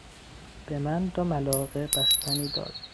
به من دو ملاقه بستنی داد.